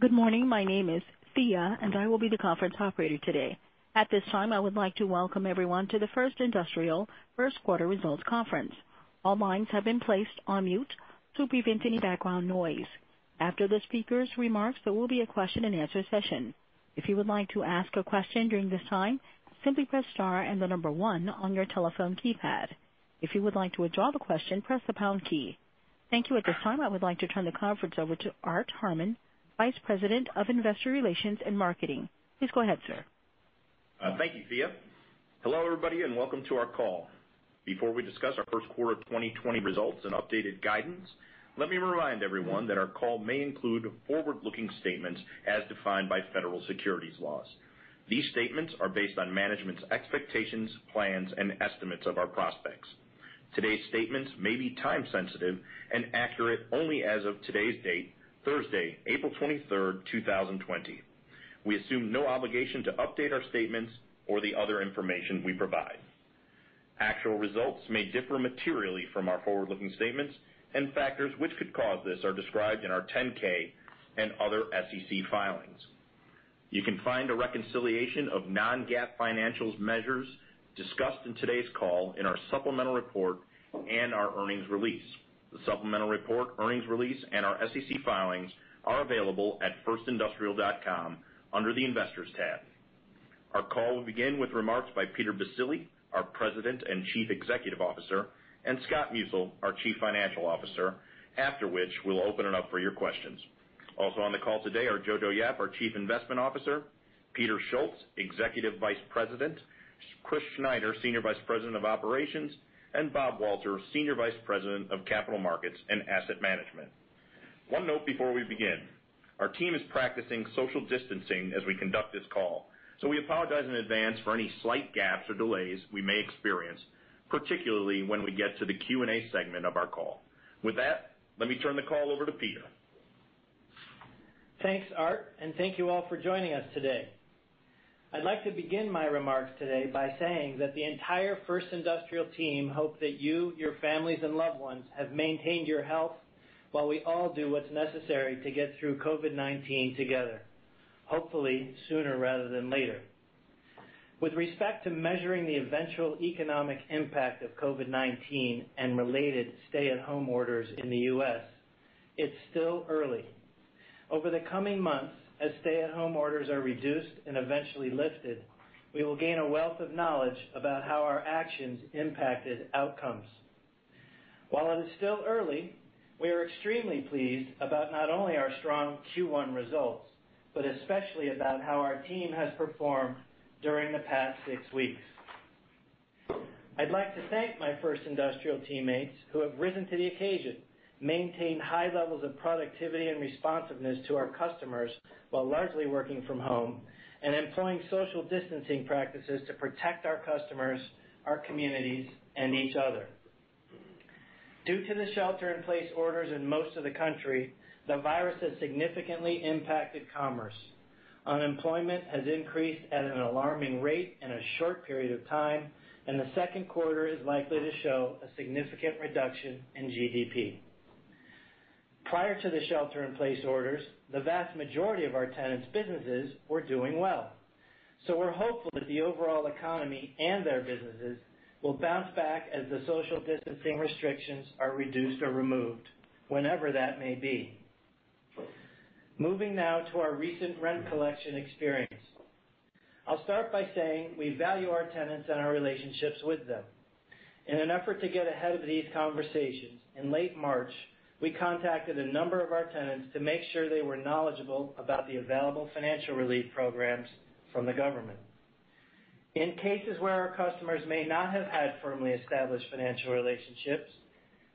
Good morning. My name is Thea, and I will be the conference operator today. At this time, I would like to welcome everyone to the First Industrial first quarter results conference. All lines have been placed on mute to prevent any background noise. After the speakers' remarks, there will be a question-and-answer session. If you would like to ask a question during this time, simply press star and the number one on your telephone keypad. If you would like to withdraw the question, press the pound key. Thank you. At this time, I would like to turn the conference over to Arthur Harmon, Vice President, Investor Relations and Marketing. Please go ahead, sir. Thank you, Thea. Hello, everybody, and welcome to our call. Before we discuss our first quarter of 2020 results and updated guidance, let me remind everyone that our call may include forward-looking statements as defined by federal securities laws. These statements are based on management's expectations, plans, and estimates of our prospects. Today's statements may be time sensitive and accurate only as of today's date, Thursday, April 23rd, 2020. We assume no obligation to update our statements or the other information we provide. Actual results may differ materially from our forward-looking statements, and factors which could cause this are described in our 10-K and other SEC filings. You can find a reconciliation of non-GAAP financials measures discussed in today's call in our supplemental report and our earnings release. The supplemental report, earnings release, and our SEC filings are available at firstindustrial.com under the Investors tab. Our call will begin with remarks by Peter Baccile, our President and Chief Executive Officer, and Scott Musil, our Chief Financial Officer, after which we'll open it up for your questions. Also on the call today are Jojo Yap, our Chief Investment Officer, Peter Schultz, Executive Vice President, Chris Schneider, Senior Vice President of Operations, and Bob Walter, Senior Vice President of Capital Markets and Asset Management. One note before we begin. Our team is practicing social distancing as we conduct this call, so we apologize in advance for any slight gaps or delays we may experience, particularly when we get to the Q&A segment of our call. With that, let me turn the call over to Peter. Thanks, Art, and thank you all for joining us today. I'd like to begin my remarks today by saying that the entire First Industrial team hope that you, your families, and loved ones have maintained your health while we all do what's necessary to get through COVID-19 together, hopefully sooner rather than later. With respect to measuring the eventual economic impact of COVID-19 and related stay-at-home orders in the U.S., it's still early. Over the coming months, as stay-at-home orders are reduced and eventually lifted, we will gain a wealth of knowledge about how our actions impacted outcomes. While it is still early, we are extremely pleased about not only our strong Q1 results, but especially about how our team has performed during the past six weeks. I'd like to thank my First Industrial teammates who have risen to the occasion, maintained high levels of productivity and responsiveness to our customers while largely working from home, and employing social distancing practices to protect our customers, our communities, and each other. Due to the shelter-in-place orders in most of the country, the virus has significantly impacted commerce. Unemployment has increased at an alarming rate in a short period of time, and the second quarter is likely to show a significant reduction in GDP. Prior to the shelter-in-place orders, the vast majority of our tenants' businesses were doing well. We're hopeful that the overall economy and their businesses will bounce back as the social distancing restrictions are reduced or removed, whenever that may be. Moving now to our recent rent collection experience. I'll start by saying we value our tenants and our relationships with them. In an effort to get ahead of these conversations, in late March, we contacted a number of our tenants to make sure they were knowledgeable about the available financial relief programs from the government. In cases where our customers may not have had firmly established financial relationships,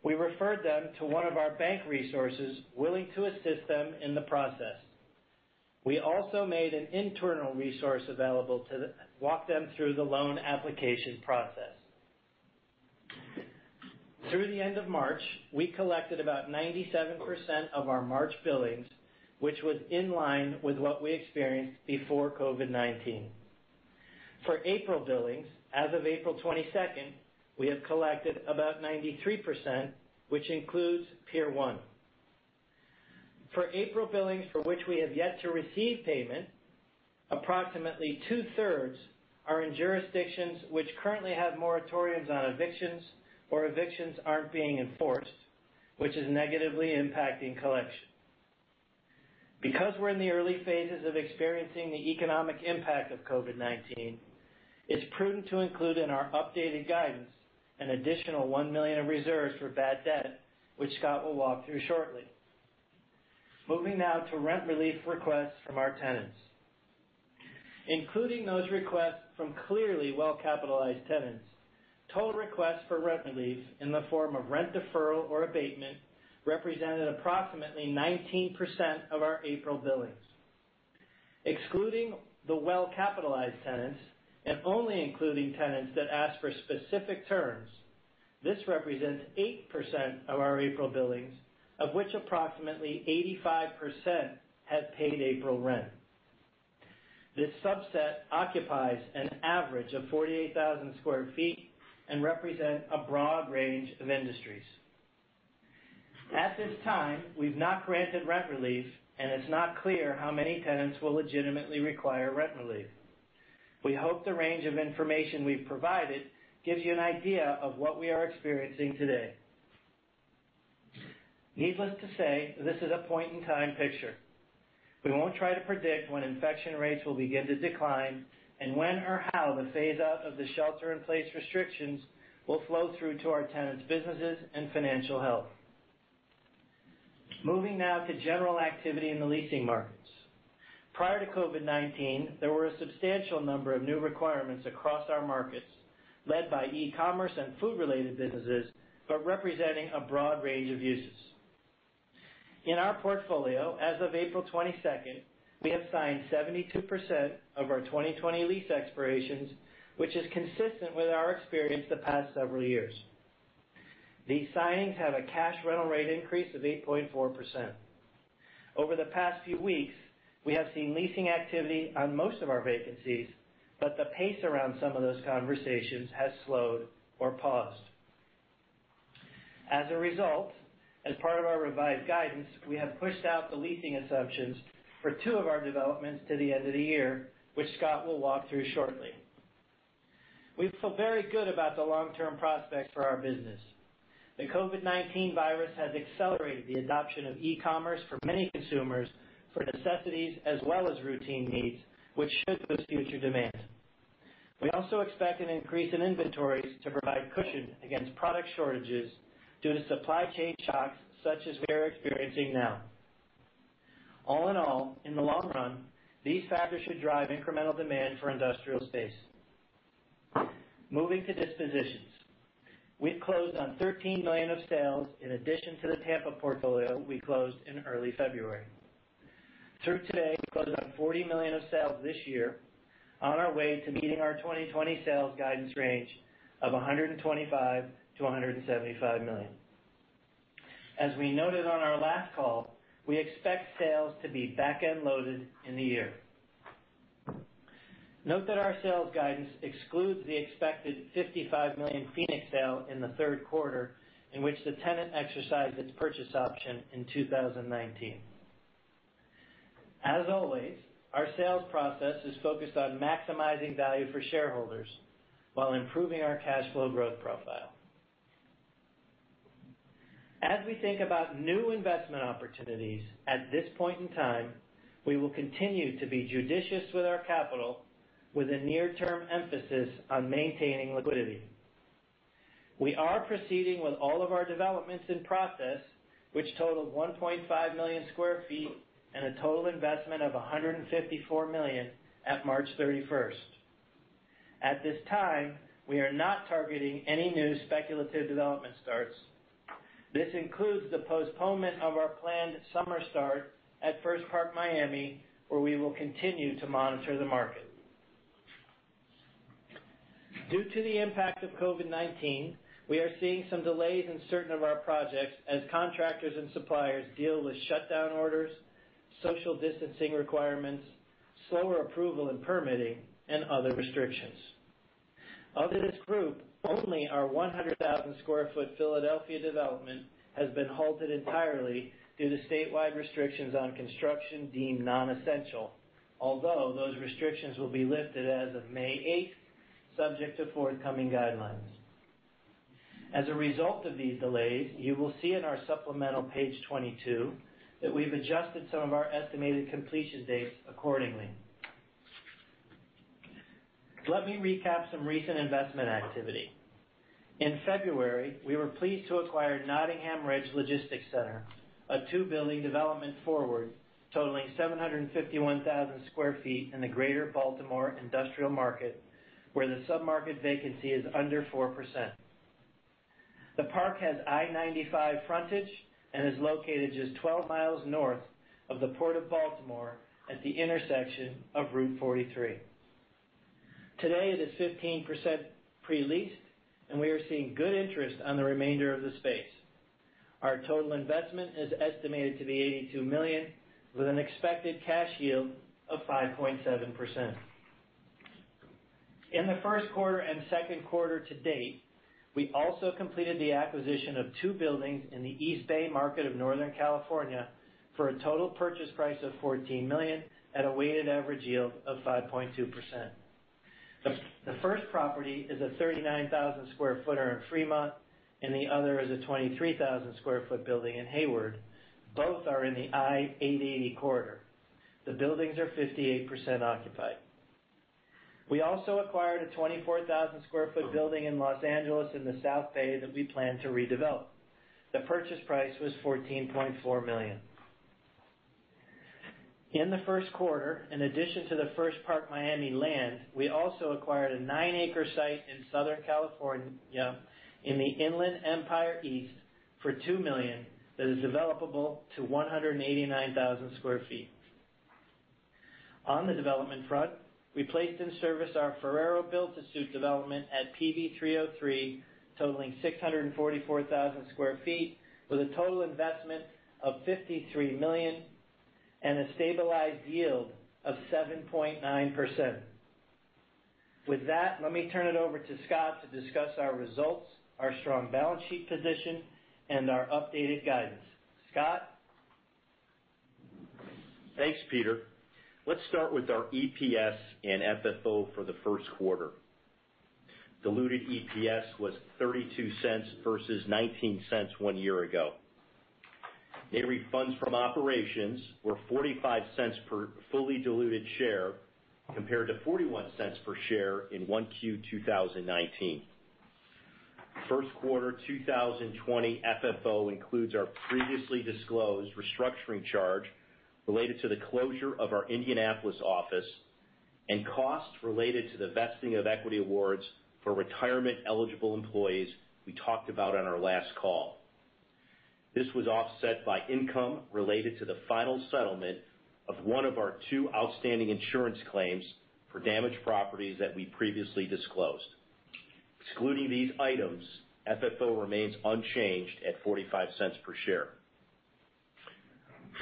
we referred them to one of our bank resources willing to assist them in the process. We also made an internal resource available to walk them through the loan application process. Through the end of March, we collected about 97% of our March billings, which was in line with what we experienced before COVID-19. For April billings, as of April 22nd, we have collected about 93%, which includes Pier 1. For April billings for which we have yet to receive payment, approximately two-thirds are in jurisdictions which currently have moratoriums on evictions or evictions aren't being enforced, which is negatively impacting collection. Because we're in the early phases of experiencing the economic impact of COVID-19, it's prudent to include in our updated guidance an additional $1 million in reserves for bad debt, which Scott will walk through shortly. Moving now to rent relief requests from our tenants. Including those requests from clearly well-capitalized tenants, total requests for rent relief in the form of rent deferral or abatement represented approximately 19% of our April billings. Excluding the well-capitalized tenants and only including tenants that ask for specific terms, this represents 8% of our April billings, of which approximately 85% have paid April rent. This subset occupies an average of 48,000 sq ft and represent a broad range of industries. At this time, we've not granted rent relief, and it's not clear how many tenants will legitimately require rent relief. We hope the range of information we've provided gives you an idea of what we are experiencing today. Needless to say, this is a point-in-time picture. We won't try to predict when infection rates will begin to decline and when or how the phase out of the shelter-in-place restrictions will flow through to our tenants' businesses and financial health. Moving now to general activity in the leasing markets. Prior to COVID-19, there were a substantial number of new requirements across our markets, led by e-commerce and food-related businesses, but representing a broad range of uses. In our portfolio, as of April 22nd, we have signed 72% of our 2020 lease expirations, which is consistent with our experience the past several years. These signings have a cash rental rate increase of 8.4%. Over the past few weeks, we have seen leasing activity on most of our vacancies, but the pace around some of those conversations has slowed or paused. As a result, as part of our revised guidance, we have pushed out the leasing assumptions for two of our developments to the end of the year, which Scott will walk through shortly. We feel very good about the long-term prospects for our business. The COVID-19 virus has accelerated the adoption of e-commerce for many consumers for necessities as well as routine needs, which should boost future demand. We also expect an increase in inventories to provide cushion against product shortages due to supply chain shocks such as we're experiencing now. All in all, in the long run, these factors should drive incremental demand for industrial space. Moving to dispositions. We've closed on $13 million of sales in addition to the Tampa portfolio we closed in early February. Through today, we've closed on $40 million of sales this year on our way to meeting our 2020 sales guidance range of $125 million-$175 million. We noted on our last call, we expect sales to be backend loaded in the year. Note that our sales guidance excludes the expected $55 million Phoenix sale in the third quarter, in which the tenant exercised its purchase option in 2019. Always, our sales process is focused on maximizing value for shareholders while improving our cash flow growth profile. We think about new investment opportunities, at this point in time, we will continue to be judicious with our capital with a near-term emphasis on maintaining liquidity. We are proceeding with all of our developments in process, which total 1.5 million square feet and a total investment of $154 million at March 31st. At this time, we are not targeting any new speculative development starts. This includes the postponement of our planned summer start at First Park Miami, where we will continue to monitor the market. Due to the impact of COVID-19, we are seeing some delays in certain of our projects as contractors and suppliers deal with shutdown orders, social distancing requirements, slower approval and permitting, and other restrictions. Of this group, only our 100,000 sq ft Philadelphia development has been halted entirely due to statewide restrictions on construction deemed non-essential, although those restrictions will be lifted as of May 8th, subject to forthcoming guidelines. As a result of these delays, you will see in our supplemental page 22 that we've adjusted some of our estimated completion dates accordingly. Let me recap some recent investment activity. In February, we were pleased to acquire Nottingham Ridge Logistics Center, a two-building development forward totaling 751,000 sq ft in the greater Baltimore industrial market, where the sub-market vacancy is under 4%. The park has I-95 frontage and is located just 12 mi north of the Port of Baltimore at the intersection of Route 43. Today, it is 15% pre-leased, and we are seeing good interest on the remainder of the space. Our total investment is estimated to be $82 million, with an expected cash yield of 5.7%. In the first quarter and second quarter to date, we also completed the acquisition of two buildings in the East Bay market of Northern California for a total purchase price of $14 million at a weighted average yield of 5.2%. The first property is a 39,000 sq ft in Fremont, and the other is a 23,000 square feet building in Hayward. Both are in the I-880 corridor. The buildings are 58% occupied. We also acquired a 24,000 square feet building in Los Angeles in the South Bay that we plan to redevelop. The purchase price was $14.4 million. In the first quarter, in addition to the First Park Miami land, we also acquired a nine-acre site in Southern California in the Inland Empire East for $2 million that is developable to 189,000 sq ft. On the development front. We placed in service our Ferrero build-to-suit development at PV 303, totaling 644,000 sq ft, with a total investment of $53 million and a stabilized yield of 7.9%. With that, let me turn it over to Scott to discuss our results, our strong balance sheet position, and our updated guidance. Scott? Thanks, Peter. Let's start with our EPS and FFO for the first quarter. Diluted EPS was $0.32 versus $0.19 one year ago. Net funds from operations were $0.45 per fully diluted share, compared to $0.41 per share in 1Q 2019. First quarter 2020 FFO includes our previously disclosed restructuring charge related to the closure of our Indianapolis office and costs related to the vesting of equity awards for retirement-eligible employees we talked about on our last call. This was offset by income related to the final settlement of one of our two outstanding insurance claims for damaged properties that we previously disclosed. Excluding these items, FFO remains unchanged at $0.45 per share.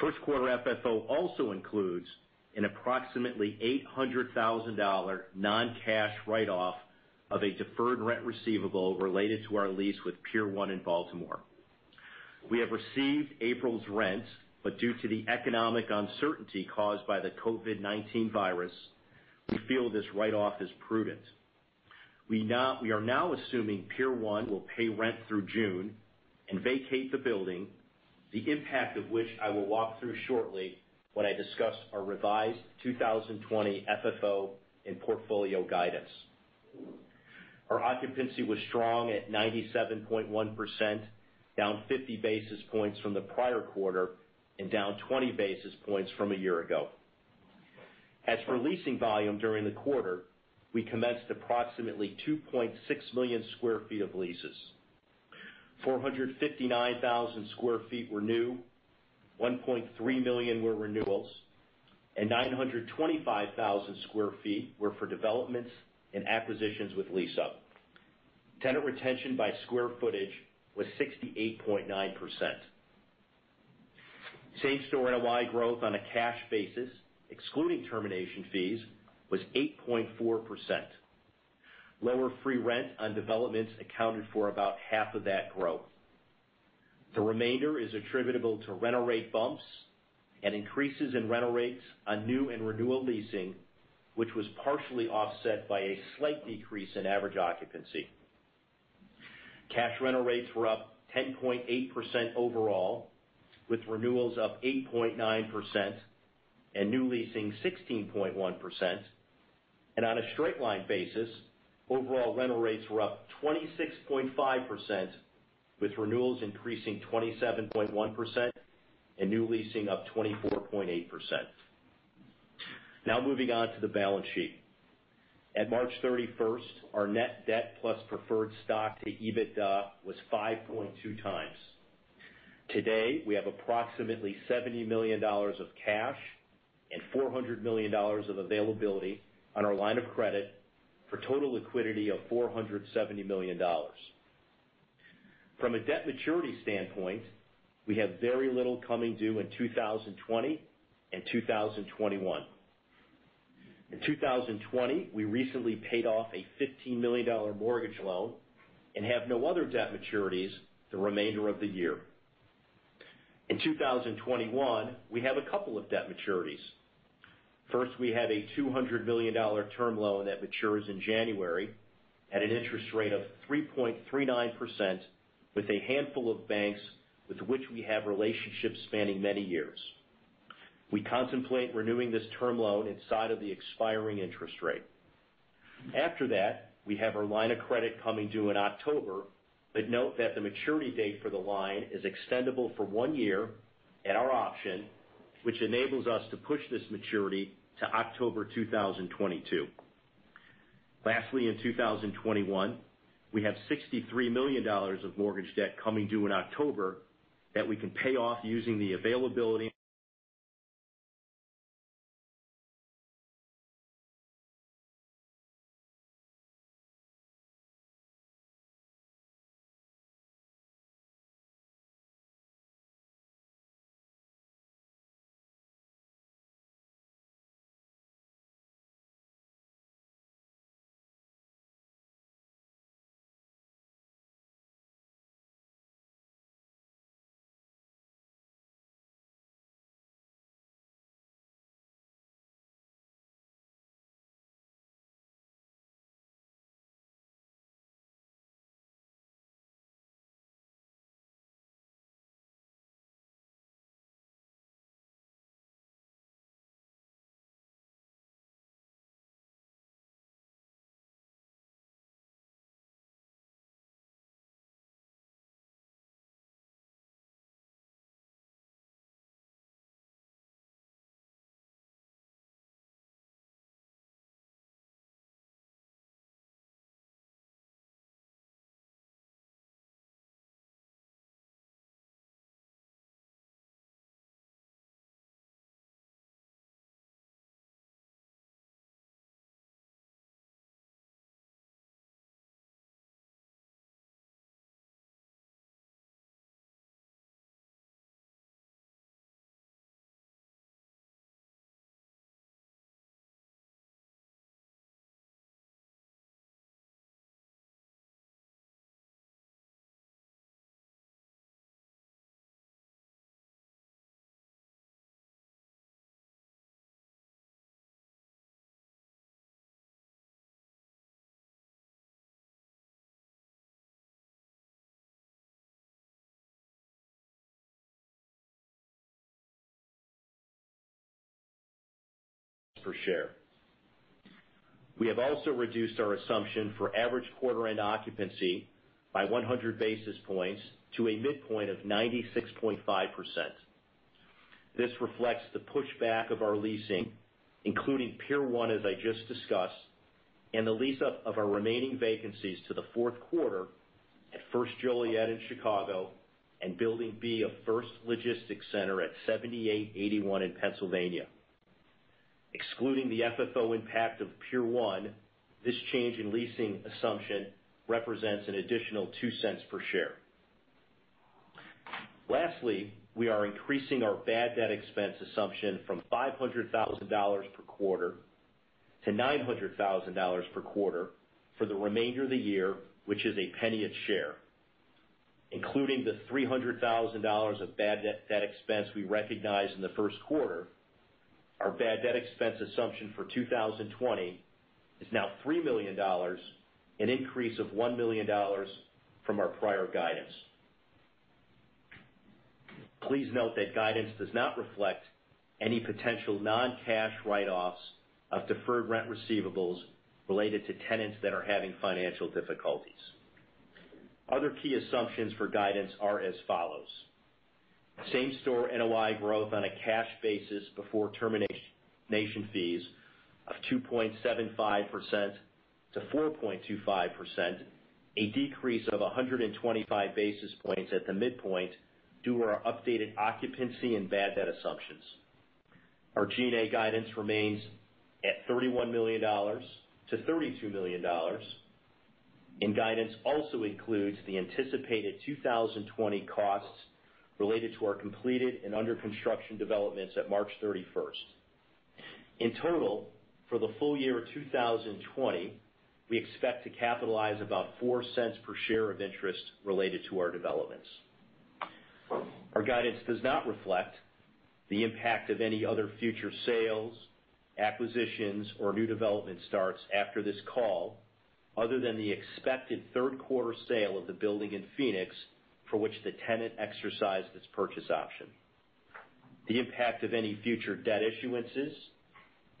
First quarter FFO also includes an approximately $800,000 non-cash write-off of a deferred rent receivable related to our lease with Pier 1 in Baltimore. We have received April's rent, but due to the economic uncertainty caused by the COVID-19 virus, we feel this write-off is prudent. We are now assuming Pier 1 will pay rent through June and vacate the building, the impact of which I will walk through shortly when I discuss our revised 2020 FFO and portfolio guidance. Our occupancy was strong at 97.1%, down 50 basis points from the prior quarter and down 20 basis points from a year ago. As for leasing volume during the quarter, we commenced approximately 2.6 million square feet of leases. 459,000 sq ft were new, 1.3 million were renewals, and 925,000 sq ft were for developments and acquisitions with lease-up. Tenant retention by square footage was 68.9%. Same store NOI growth on a cash basis, excluding termination fees, was 8.4%. Lower free rent on developments accounted for about half of that growth. The remainder is attributable to rental rate bumps and increases in rental rates on new and renewal leasing, which was partially offset by a slight decrease in average occupancy. Cash rental rates were up 10.8% overall, with renewals up 8.9% and new leasing 16.1%. On a straight line basis, overall rental rates were up 26.5%, with renewals increasing 27.1% and new leasing up 24.8%. Now moving on to the balance sheet. At March 31st, our net debt plus preferred stock to EBITDA was 5.2 times. Today, we have approximately $70 million of cash and $400 million of availability on our line of credit for total liquidity of $470 million. From a debt maturity standpoint, we have very little coming due in 2020 and 2021. In 2020, we recently paid off a $15 million mortgage loan and have no other debt maturities the remainder of the year. In 2021, we have a couple of debt maturities. First, we have a $200 million term loan that matures in January at an interest rate of 3.39% with a handful of banks with which we have relationships spanning many years. We contemplate renewing this term loan inside of the expiring interest rate. After that, we have our line of credit coming due in October, but note that the maturity date for the line is extendable for one year at our option, which enables us to push this maturity to October 2022. Lastly, in 2021, we have $63 million of mortgage debt coming due in October that we can pay off using the availability-Per share. We have also reduced our assumption for average quarter end occupancy by 100 basis points to a midpoint of 96.5%. This reflects the pushback of our leasing, including Pier 1, as I just discussed, and the lease up of our remaining vacancies to the fourth quarter at First Joliet in Chicago and Building B of First Logistics Center at 78/81 in Pennsylvania. Excluding the FFO impact of Pier 1, this change in leasing assumption represents an additional $0.02 per share. Lastly, we are increasing our bad debt expense assumption from $500,000 per quarter to $900,000 per quarter for the remainder of the year, which is a $0.01 a share. Including the $300,000 of bad debt expense we recognized in the first quarter, our bad debt expense assumption for 2020 is now $3 million, an increase of $1 million from our prior guidance. Please note that guidance does not reflect any potential non-cash write-offs of deferred rent receivables related to tenants that are having financial difficulties. Other key assumptions for guidance are as follows. Same store NOI growth on a cash basis before termination fees of 2.75%-4.25%, a decrease of 125 basis points at the midpoint due to our updated occupancy and bad debt assumptions. Guidance also includes the anticipated 2020 costs related to our completed and under construction developments at March 31st. In total, for the full year of 2020, we expect to capitalize about $0.04 per share of interest related to our developments. Our guidance does not reflect the impact of any other future sales, acquisitions, or new development starts after this call, other than the expected third quarter sale of the building in Phoenix, for which the tenant exercised its purchase option, the impact of any future debt issuances,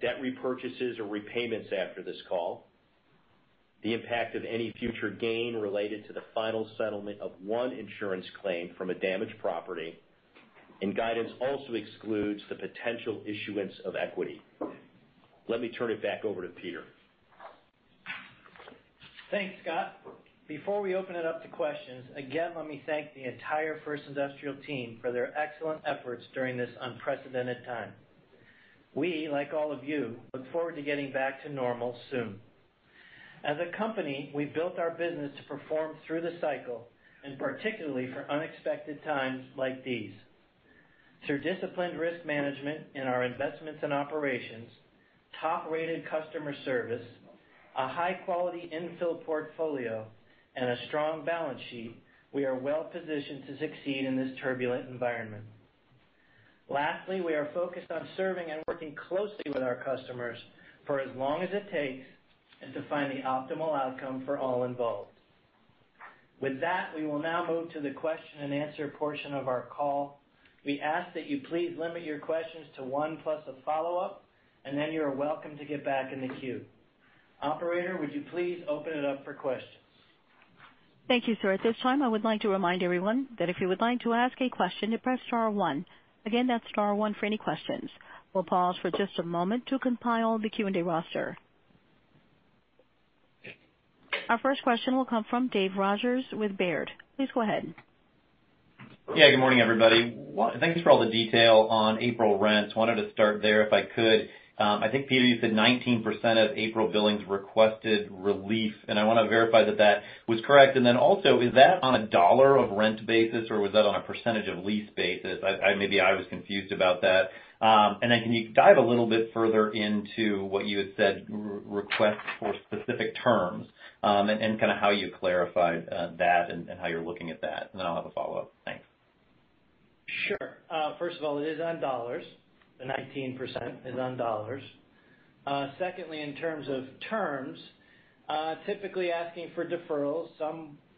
debt repurchases or repayments after this call. The impact of any future gain related to the final settlement of one insurance claim from a damaged property, and guidance also excludes the potential issuance of equity. Let me turn it back over to Peter. Thanks, Scott. Before we open it up to questions, again let me thank the entire First Industrial team for their excellent efforts during this unprecedented time. We, like all of you, look forward to getting back to normal soon. As a company, we've built our business to perform through the cycle, and particularly for unexpected times like these. Through disciplined risk management in our investments and operations, top-rated customer service, a high-quality in-field portfolio, and a strong balance sheet, we are well-positioned to succeed in this turbulent environment. Lastly, we are focused on serving and working closely with our customers for as long as it takes, and to find the optimal outcome for all involved. With that, we will now move to the question and answer portion of our call. We ask that you please limit your questions to one plus a follow-up, and then you're welcome to get back in the queue. Operator, would you please open it up for questions? Thank you, sir. At this time, I would like to remind everyone that if you would like to ask a question, you press star one. Again, that's star one for any questions. We'll pause for just a moment to compile the Q&A roster. Our first question will come from Dave Rogers with Baird. Please go ahead. Yeah. Good morning, everybody. Thank Thank you for all the detail on April rents. I wanted to start there if I could. I think, Peter, you said 19% of April billings requested relief. I want to verify that that was correct. Also, is that on a dollar of rent basis, or was that on a percentage of lease basis? Maybe I was confused about that. Can you dive a little bit further into what you had said requests for specific terms, and how you clarified that and how you're looking at that? I'll have a follow-up. Thanks. Sure. First of all, it is on dollars. The 19% is on dollars. Secondly, in terms of terms, typically asking for deferrals.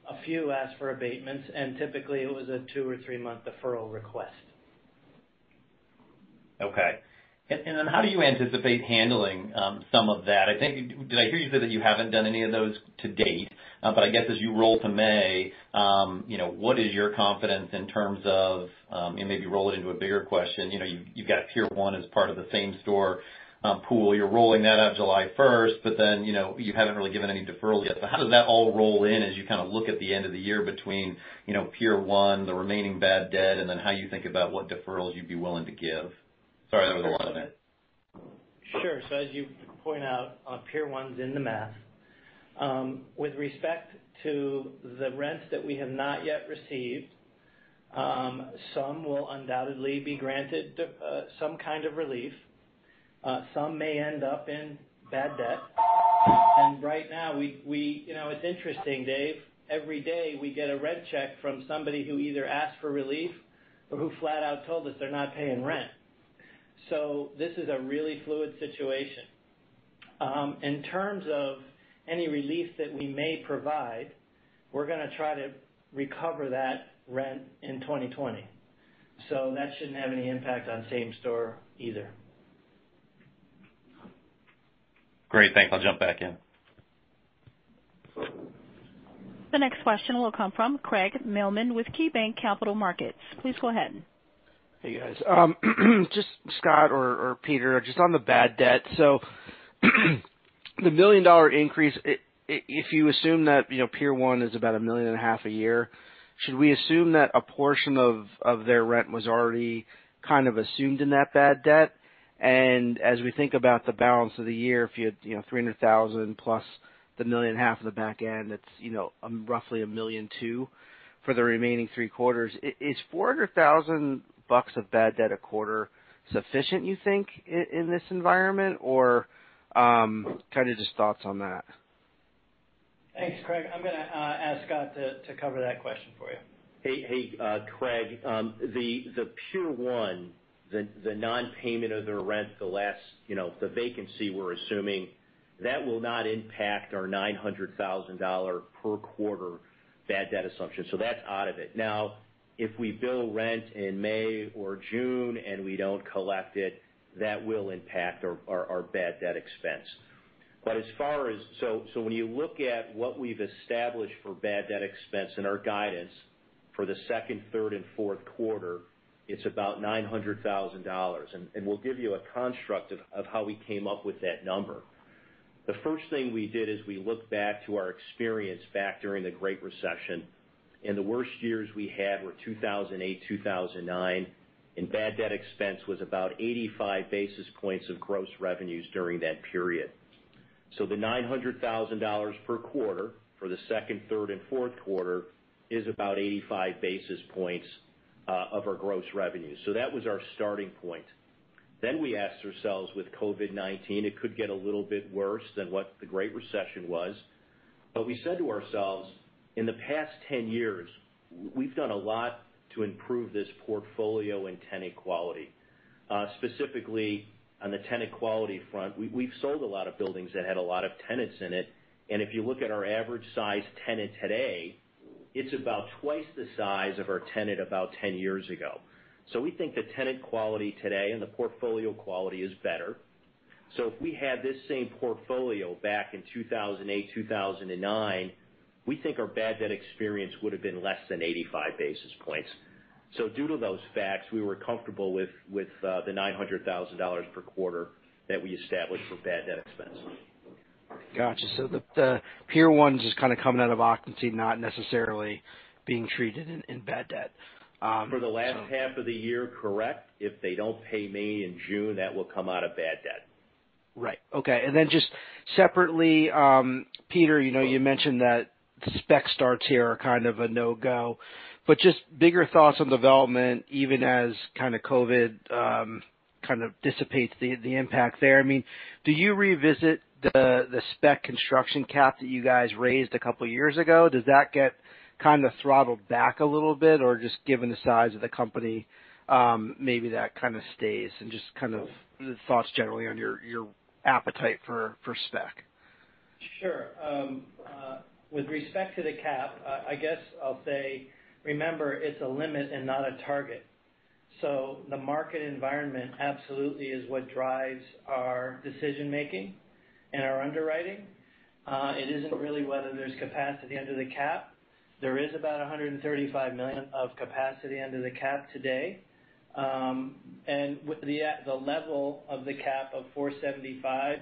A few ask for abatements, and typically it was a two or three-month deferral request. Okay. How do you anticipate handling some of that? Did I hear you say that you haven't done any of those to date? I guess as you roll to May, what is your confidence in terms of, and maybe roll it into a bigger question. You've got Pier 1 as part of the same store pool. You're rolling that out July 1st, you haven't really given any deferral yet. How does that all roll in as you look at the end of the year between Pier 1, the remaining bad debt, and then how you think about what deferrals you'd be willing to give? Sorry that was a lot. Sure. As you point out, Pier 1's in the math. With respect to the rents that we have not yet received, some will undoubtedly be granted some kind of relief. Some may end up in bad debt. Right now, it's interesting, Dave, every day we get a rent check from somebody who either asked for relief or who flat out told us they're not paying rent. This is a really fluid situation. In terms of any relief that we may provide, we're going to try to recover that rent in 2020. That shouldn't have any impact on same store either. Great. Thanks. I'll jump back in. The next question will come from Craig Mailman with KeyBanc Capital Markets. Please go ahead. Hey, guys. Just Scott or Peter, just on the bad debt. The million-dollar increase, if you assume that Pier 1 is about a million and a half a year, should we assume that a portion of their rent was already kind of assumed in that bad debt? As we think about the balance of the year, if you had $300,000+ the million and a half of the back end, it's roughly $1.2 million for the remaining three quarters. Is $400,000 of bad debt a quarter sufficient, you think, in this environment? Just thoughts on that. Thanks, Craig. I'm going to ask Scott to cover that question for you. Hey, Craig. The Pier 1, the non-payment of their rent, the vacancy we're assuming, that will not impact our $900,000 per quarter bad debt assumption. That's out of it. Now, if we bill rent in May or June and we don't collect it, that will impact our bad debt expense. When you look at what we've established for bad debt expense and our guidance for the second, third, and fourth quarter, it's about $900,000. We'll give you a construct of how we came up with that number. The first thing we did is we looked back to our experience back during the Great Recession, and the worst years we had were 2008, 2009, and bad debt expense was about 85 basis points of gross revenues during that period. The $900,000 per quarter for the second, third, and fourth quarter is about 85 basis points of our gross revenue. That was our starting point. We asked ourselves, with COVID-19, it could get a little bit worse than what the Great Recession was. We said to ourselves, in the past 10 years, we've done a lot to improve this portfolio and tenant quality. Specifically on the tenant quality front, we've sold a lot of buildings that had a lot of tenants in it, and if you look at our average size tenant today, it's about twice the size of our tenant about 10 years ago. We think the tenant quality today and the portfolio quality is better. If we had this same portfolio back in 2008, 2009, we think our bad debt experience would've been less than 85 basis points. Due to those facts, we were comfortable with the $900,000 per quarter that we established for bad debt expense. Got you. The Pier 1 just kind of coming out of occupancy, not necessarily being treated in bad debt. For the last half of the year, correct. If they don't pay May and June, that will come out of bad debt. Right. Okay. Just separately, Peter, you mentioned that spec starts here are kind of a no-go, but just bigger thoughts on development, even as kind of COVID-19 kind of dissipates the impact there. Do you revisit the spec construction cap that you guys raised a couple of years ago? Does that get kind of throttled back a little bit? Or just given the size of the company, maybe that kind of stays and just kind of the thoughts generally on your appetite for spec? Sure. With respect to the cap, I guess I'll say, remember, it's a limit and not a target. The market environment absolutely is what drives our decision-making and our underwriting. It isn't really whether there's capacity under the cap. There is about $135 million of capacity under the cap today. With the level of the cap of $475,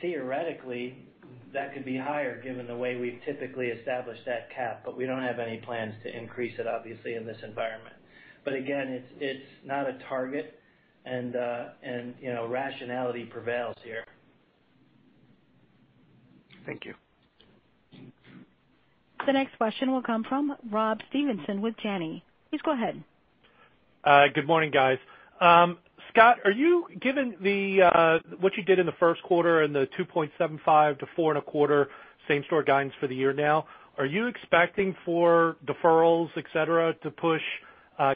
theoretically, that could be higher given the way we've typically established that cap. We don't have any plans to increase it, obviously, in this environment. Again, it's not a target, and rationality prevails here. Thank you. The next question will come from Rob Stevenson with Janney. Please go ahead. Good morning, guys. Scott, given what you did in the first quarter and the 2.75 to four and a quarter same-store guidance for the year now, are you expecting for deferrals, et cetera, to push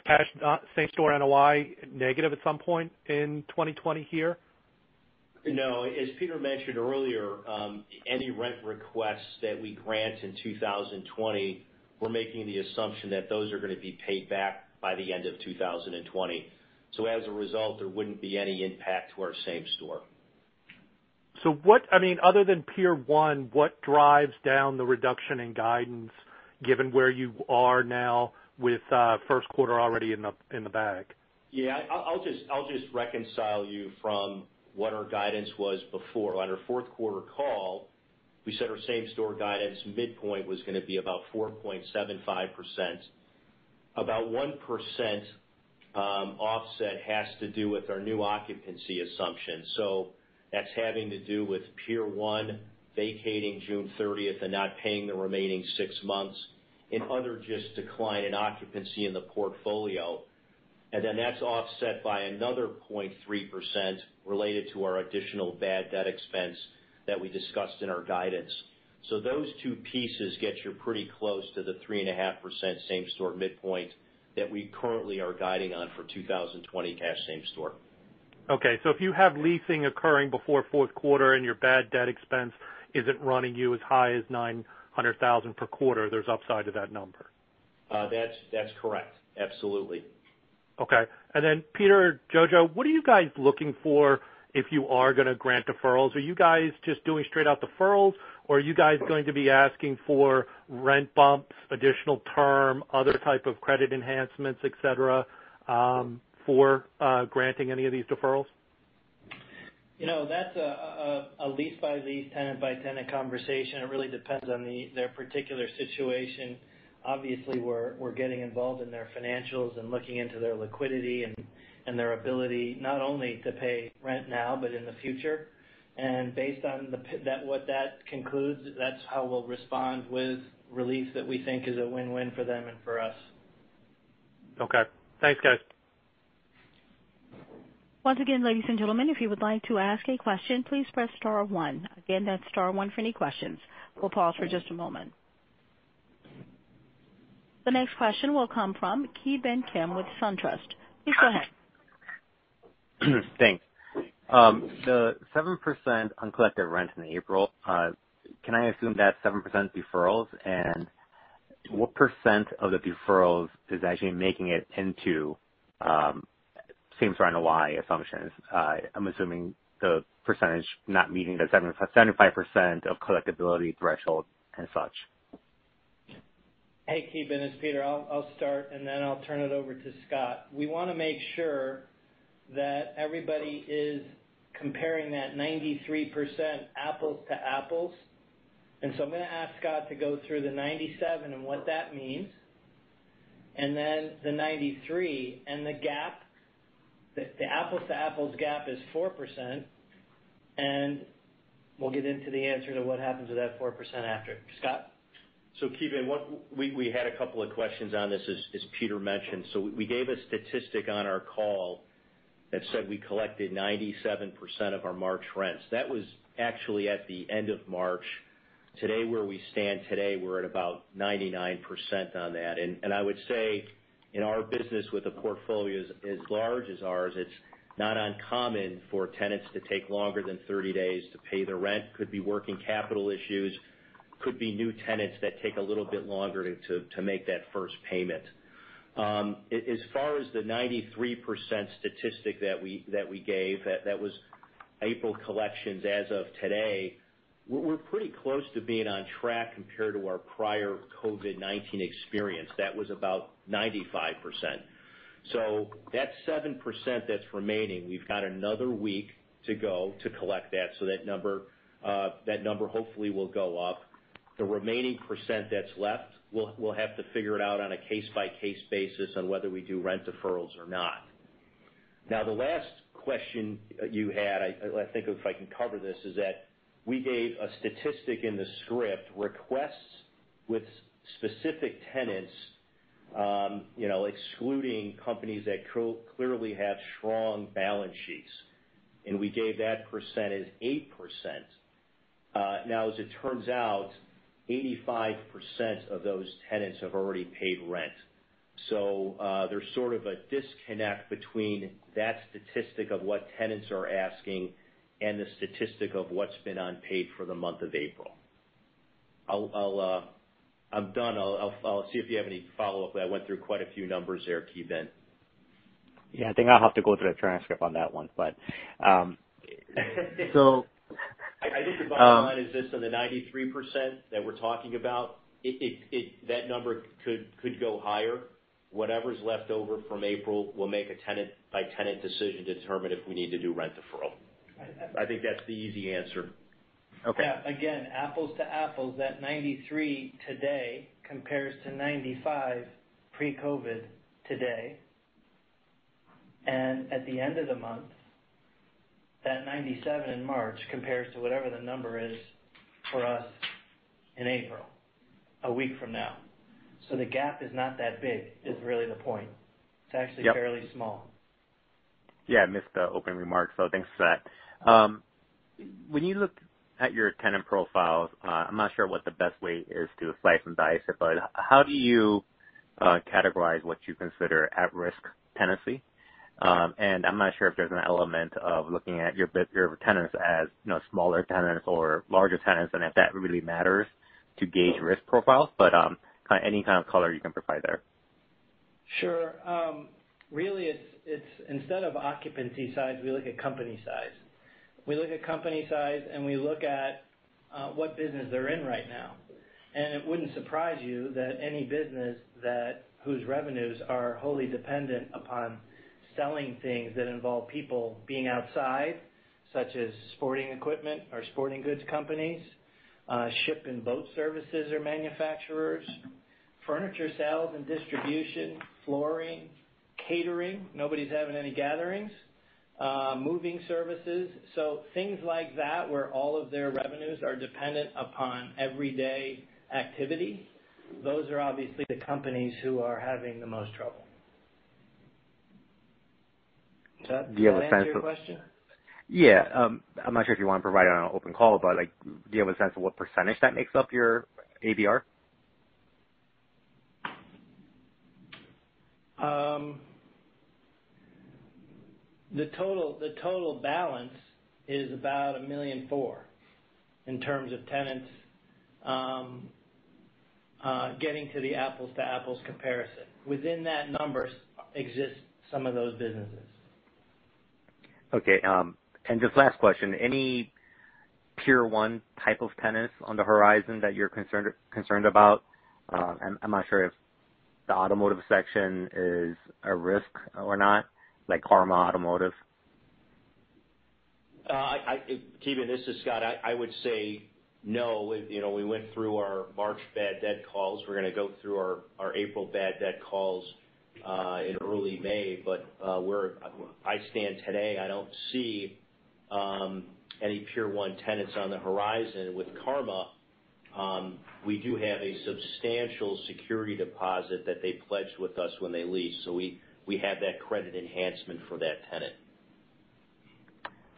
cash same-store NOI negative at some point in 2020 here? No. As Peter mentioned earlier, any rent requests that we grant in 2020, we're making the assumption that those are going to be paid back by the end of 2020. As a result, there wouldn't be any impact to our same store. Other than Pier 1, what drives down the reduction in guidance given where you are now with first quarter already in the bag? Yeah. I'll just reconcile you from what our guidance was before. On our fourth quarter call, we said our same-store guidance midpoint was going to be about 4.75%. About 1% offset has to do with our new occupancy assumption. That's having to do with Pier 1 vacating June 30th and not paying the remaining six months, and other just decline in occupancy in the portfolio. That's offset by another 0.3% related to our additional bad debt expense that we discussed in our guidance. Those two pieces get you pretty close to the 3.5% same-store midpoint that we currently are guiding on for 2020 cash same-store. If you have leasing occurring before fourth quarter and your bad debt expense isn't running you as high as $900,000 per quarter, there's upside to that number. That's correct. Absolutely. Okay. Peter, Jojo, what are you guys looking for if you are going to grant deferrals? Are you guys just doing straight out deferrals, or are you guys going to be asking for rent bumps, additional term, other type of credit enhancements, et cetera, for granting any of these deferrals? That's a lease-by-lease, tenant-by-tenant conversation. It really depends on their particular situation. Obviously, we're getting involved in their financials and looking into their liquidity and their ability not only to pay rent now but in the future. Based on what that concludes, that's how we'll respond with relief that we think is a win-win for them and for us. Okay. Thanks, guys. Once again, ladies and gentlemen, if you would like to ask a question, please press star one. Again, that's star one for any questions. We'll pause for just a moment. The next question will come from Ki Bin Kim with SunTrust. Please go ahead. Thanks. The 7% uncollected rents in April, can I assume that's 7% deferrals? What percent of the deferrals is actually making it into same store NOI assumptions? I'm assuming the percentage not meeting the 75% of collectibility threshold and such. Hey, Ki Bin, it's Peter. I'll start, and then I'll turn it over to Scott. We want to make sure that everybody is comparing that 93% apples to apples. I'm going to ask Scott to go through the 97 and what that means, and then the 93 and the gap. The apples-to-apples gap is 4%, and we'll get into the answer to what happens to that 4% after. Scott? Ki Bin, we had a couple of questions on this, as Peter mentioned. That was actually at the end of March. Today, where we stand today, we're at about 99% on that. I would say in our business with a portfolio as large as ours, it's not uncommon for tenants to take longer than 30 days to pay their rent. Could be working capital issues, could be new tenants that take a little bit longer to make that first payment. As far as the 93% statistic that we gave, that was April collections as of today. We're pretty close to being on track compared to our prior COVID-19 experience. That was about 95%. That 7% that's remaining, we've got another week to go to collect that number hopefully will go up. The remaining percent that's left, we'll have to figure it out on a case-by-case basis on whether we do rent deferrals or not. The last question you had, I think if I can cover this, is that we gave a statistic in the script, requests with specific tenants excluding companies that clearly have strong balance sheets. We gave that 8%. As it turns out, 85% of those tenants have already paid rent. There's sort of a disconnect between that statistic of what tenants are asking and the statistic of what's been unpaid for the month of April. I'm done. I'll see if you have any follow-up. I went through quite a few numbers there, Ki Bin. Yeah, I think I'll have to go through the transcript on that one. I think the bottom line is this on the 93% that we're talking about, that number could go higher. Whatever's left over from April, we'll make a tenant-by-tenant decision to determine if we need to do rent deferral. I think that's the easy answer. Okay. Yeah. Again, apples to apples, that 93% today compares to 95% pre-COVID today. At the end of the month, that 97% in March compares to whatever the number is for us in April, a week from now. The gap is not that big, is really the point. It's actually fairly small. Yeah. I missed the opening remarks, so thanks for that. When you look at your tenant profiles, I'm not sure what the best way is to slice and dice it, but how do you categorize what you consider at-risk tenancy? I'm not sure if there's an element of looking at your tenants as smaller tenants or larger tenants, and if that really matters to gauge risk profiles. Any kind of color you can provide there. Sure. Really it's instead of occupancy size, we look at company size. We look at company size, and we look at what business they're in right now. It wouldn't surprise you that any business whose revenues are wholly dependent upon selling things that involve people being outside, such as sporting equipment or sporting goods companies, ship and boat services are manufacturers, furniture sales and distribution, flooring, catering. Nobody's having any gatherings. Moving services. Things like that, where all of their revenues are dependent upon everyday activity. Those are obviously the companies who are having the most trouble. Does that answer your question? Yeah. I'm not sure if you want to provide it on an open call, but do you have a sense of what percentage that makes up your ABR? The total balance is about $1,000,004 in terms of tenants. Getting to the apples-to-apples comparison. Within that numbers exist some of those businesses. Okay. Just last question. Any Pier 1 type of tenants on the horizon that you're concerned about? I'm not sure if the automotive section is a risk or not, like Karma Automotive. Ki Bin, this is Scott. I would say no. We went through our March bad debt calls. We're going to go through our April bad debt calls in early May. Where I stand today, I don't see any Pier 1 tenants on the horizon. With Karma, we do have a substantial security deposit that they pledged with us when they leased. We have that credit enhancement for that tenant.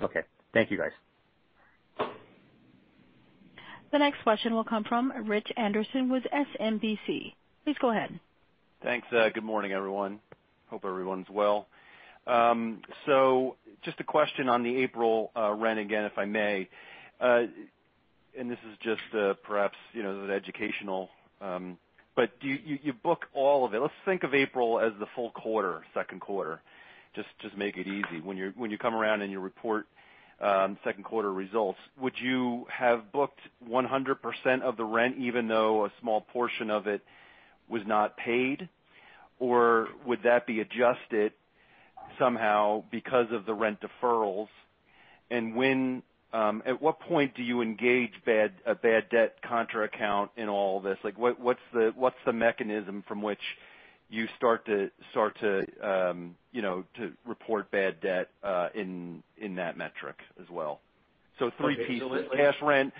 Okay. Thank you, guys. The next question will come from Rich Anderson with SMBC. Please go ahead. Thanks. Good morning, everyone. Hope everyone's well. Just a question on the April rent again, if I may. This is just perhaps an educational, but you book all of it. Let's think of April as the full quarter, second quarter. Just make it easy. When you come around and you report second quarter results, would you have booked 100% of the rent even though a small portion of it was not paid? Would that be adjusted somehow because of the rent deferrals? At what point do you engage a bad debt contra account in all of this? What's the mechanism from which you start to report bad debt in that metric as well? Three pieces, cash rent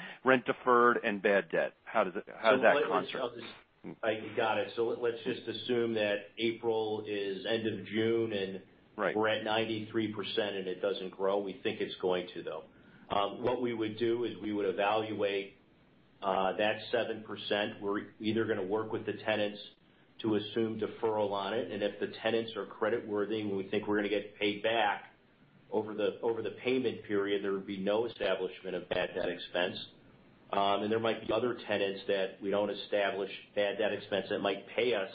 deferred, and bad debt. How does that contra? I got it. Let's just assume that April is end of June. Right. We're at 93% and it doesn't grow. We think it's going to though. What we would do is we would evaluate that 7%. We're either going to work with the tenants to assume deferral on it, and if the tenants are credit worthy and we think we're going to get paid back over the payment period, there would be no establishment of bad debt expense. There might be other tenants that we don't establish bad debt expense that might pay us,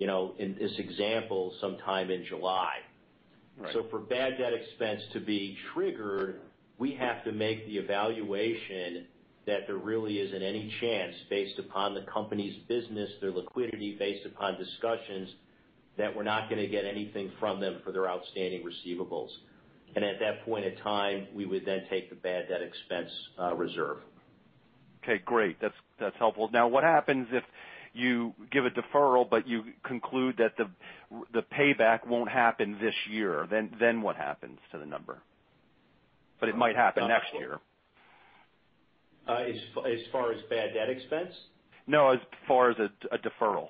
in this example, sometime in July. Right. For bad debt expense to be triggered, we have to make the evaluation that there really isn't any chance, based upon the company's business, their liquidity, based upon discussions, that we're not going to get anything from them for their outstanding receivables. At that point in time, we would then take the bad debt expense reserve. Okay, great. That's helpful. What happens if you give a deferral, but you conclude that the payback won't happen this year, then what happens to the number? It might happen next year. As far as bad debt expense? No, as far as a deferral.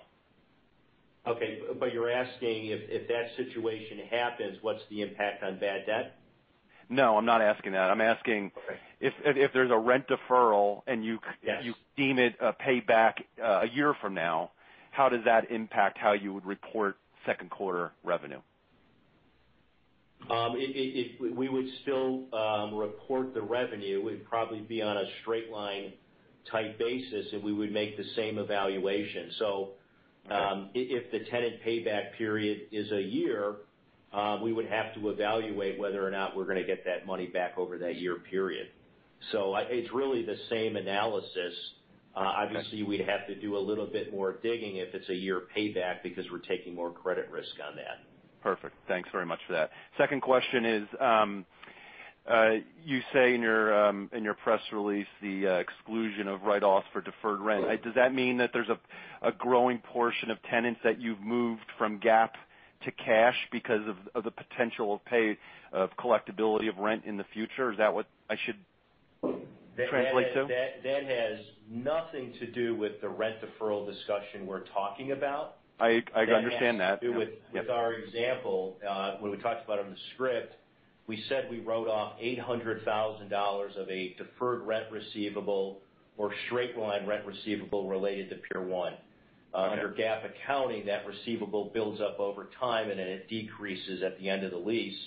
Okay. You're asking if that situation happens, what's the impact on bad debt? No, I'm not asking that. Okay. If there's a rent deferral. Yes. Deem it a payback a year from now, how does that impact how you would report second quarter revenue? We would still report the revenue. We'd probably be on a straight line type basis, and we would make the same evaluation. Okay. If the tenant payback period is a year, we would have to evaluate whether or not we're going to get that money back over that year period. It's really the same analysis. Okay. Obviously, we'd have to do a little bit more digging if it's a year payback because we're taking more credit risk on that. Perfect. Thanks very much for that. Second question is, you say in your press release the exclusion of write-offs for deferred rent. Right. Does that mean that there's a growing portion of tenants that you've moved from GAAP to cash because of the potential of collectibility of rent in the future? Is that what I should translate to? That has nothing to do with the rent deferral discussion we're talking about. I understand that. That has to do with our example, when we talked about it in the script. We said we wrote off $800,000 of a deferred rent receivable or straight-line rent receivable related to Pier 1. Right. Under GAAP accounting, that receivable builds up over time, then it decreases at the end of the lease.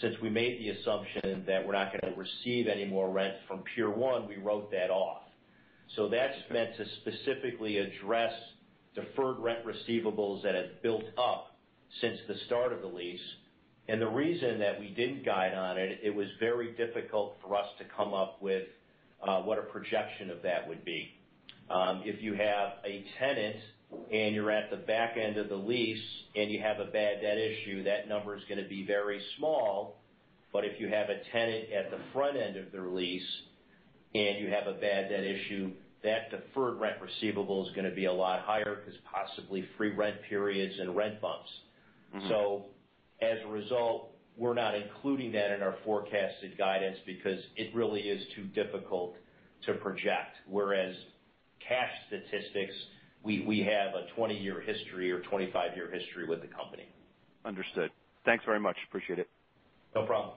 Since we made the assumption that we're not going to receive any more rent from Pier 1, we wrote that off. That's meant to specifically address deferred rent receivables that have built up since the start of the lease. The reason that we didn't guide on it was very difficult for us to come up with what a projection of that would be. If you have a tenant and you're at the back end of the lease and you have a bad debt issue, that number is going to be very small. If you have a tenant at the front end of the lease and you have a bad debt issue, that deferred rent receivable is going to be a lot higher because possibly free rent periods and rent bumps. As a result, we're not including that in our forecasted guidance because it really is too difficult to project, whereas cash statistics, we have a 20-year history or 25-year history with the company. Understood. Thanks very much. Appreciate it. No problem.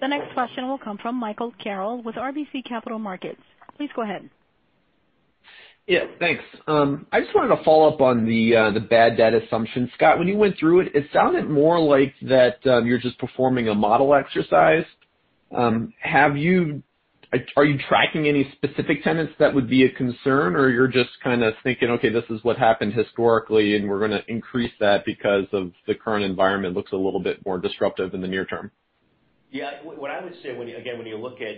The next question will come from Michael Carroll with RBC Capital Markets. Please go ahead. Yeah. Thanks. I just wanted to follow up on the bad debt assumption. Scott, when you went through it sounded more like that you're just performing a model exercise. Are you tracking any specific tenants that would be a concern, or you're just kind of thinking, okay, this is what happened historically, and we're going to increase that because of the current environment looks a little bit more disruptive in the near term? What I would say, again, when you look at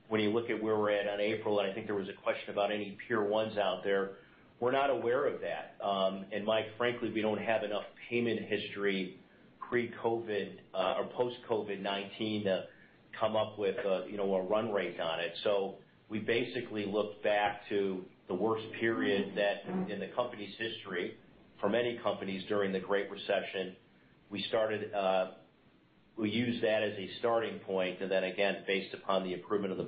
where we're at in April, and I think there was a question about any Pier 1s out there, we're not aware of that. Mike, frankly, we don't have enough payment history post-COVID-19 to come up with a run rate on it. We basically look back to the worst period in the company's history for many companies during the Great Recession. We use that as a starting point, and then again, based upon the improvement of the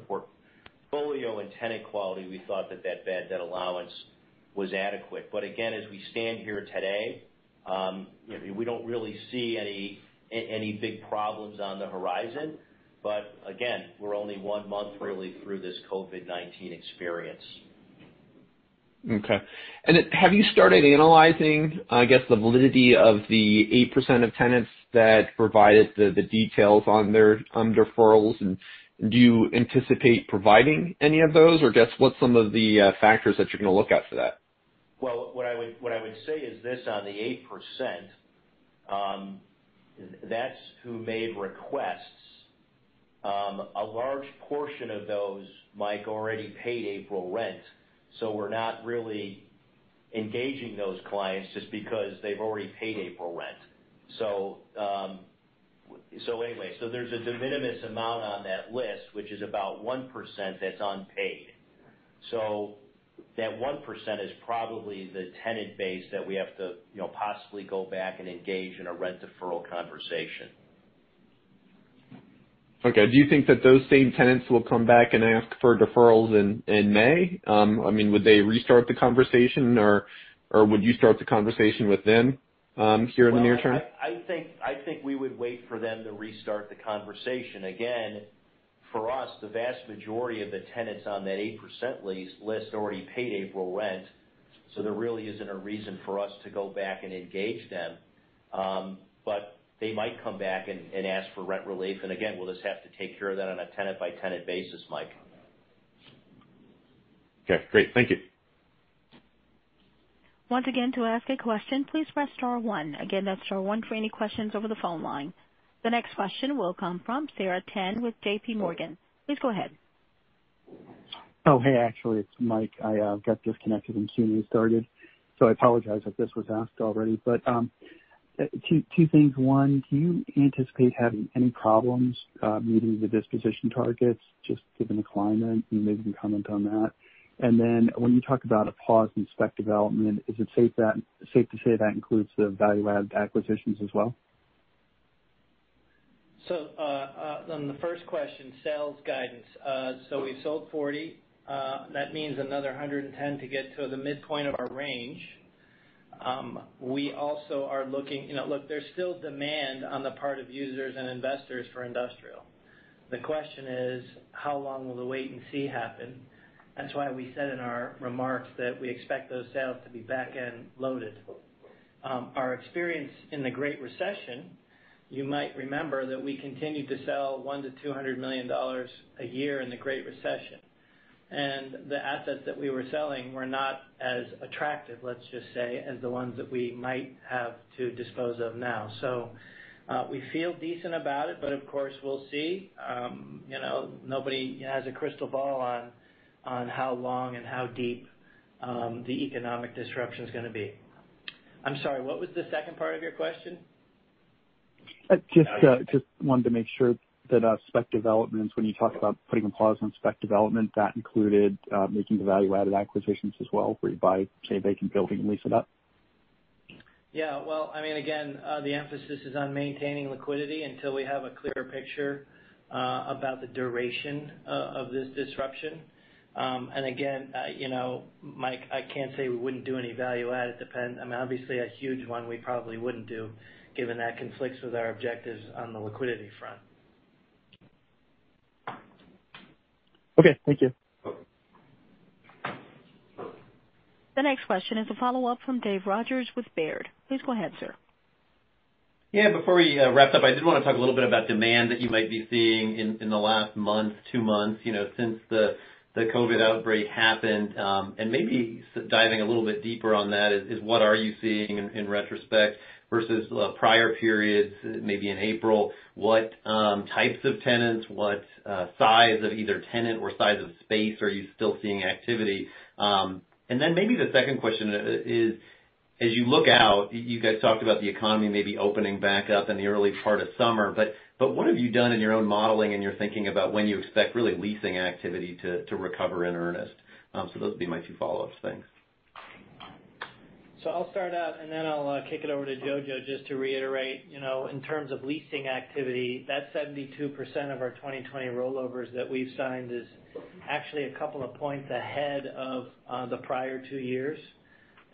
portfolio and tenant quality, we thought that that bad debt allowance was adequate. Again, as we stand here today, we don't really see any big problems on the horizon. Again, we're only one month really through this COVID-19 experience. Okay. Have you started analyzing, I guess, the validity of the 8% of tenants that provided the details on deferrals, and do you anticipate providing any of those, or just what's some of the factors that you're going to look at for that? What I would say is this on the 8%, that's who made requests. A large portion of those, Mike, already paid April rent. We're not really engaging those clients just because they've already paid April rent. Anyway, there's a de minimis amount on that list, which is about 1% that's unpaid. That 1% is probably the tenant base that we have to possibly go back and engage in a rent deferral conversation. Do you think that those same tenants will come back and ask for deferrals in May? Would they restart the conversation, or would you start the conversation with them here in the near term? Well, I think we would wait for them to restart the conversation. For us, the vast majority of the tenants on that 8% lease list already paid April rent. There really isn't a reason for us to go back and engage them. They might come back and ask for rent relief. We'll just have to take care of that on a tenant-by-tenant basis, Mike. Okay, great. Thank you. Once again, to ask a question, please press star one. Again, that's star one for any questions over the phone line. The next question will come from Sarah Tan with JPMorgan. Please go ahead. Oh, hey. Actually, it's Mike. I got disconnected when Q&A started. I apologize if this was asked already. Two things. One, do you anticipate having any problems meeting the disposition targets, just given the climate? Maybe you can comment on that. When you talk about a pause in spec development, is it safe to say that includes the value-add acquisitions as well? On the first question, sales guidance. We sold $40 million. That means another $110 million to get to the midpoint of our range. There's still demand on the part of users and investors for industrial. The question is how long will the wait and see happen? That's why we said in our remarks that we expect those sales to be back end loaded. Our experience in the Great Recession, you might remember that we continued to sell $100 million-$200 million a year in the Great Recession, and the assets that we were selling were not as attractive, let's just say, as the ones that we might have to dispose of now. We feel decent about it, but of course, we'll see. Nobody has a crystal ball on how long and how deep the economic disruption's going to be. I'm sorry, what was the second part of your question? Just wanted to make sure that spec developments, when you talk about putting a pause on spec development, that included making the value-added acquisitions as well, where you buy a vacant building and lease it up. Yeah. Well, again, the emphasis is on maintaining liquidity until we have a clearer picture about the duration of this disruption. Again, Mike, I can't say we wouldn't do any value add. Obviously, a huge one we probably wouldn't do, given that conflicts with our objectives on the liquidity front. Okay. Thank you. The next question is a follow-up from Dave Rogers with Baird. Please go ahead, sir. Yeah. Before we wrap up, I did want to talk a little bit about demand that you might be seeing in the last month, two months, since the COVID-19 outbreak happened. Maybe diving a little bit deeper on that is what are you seeing in retrospect versus prior periods, maybe in April? What types of tenants, what size of either tenant or size of space are you still seeing activity? Maybe the second question is, as you look out, you guys talked about the economy maybe opening back up in the early part of summer. What have you done in your own modeling and your thinking about when you expect really leasing activity to recover in earnest? Those would be my two follow-ups. Thanks. I'll start out, and then I'll kick it over to Jojo just to reiterate. In terms of leasing activity, that 72% of our 2020 rollovers that we've signed is actually a couple of points ahead of the prior two years,